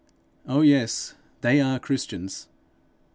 Oh, yes, they are Christians!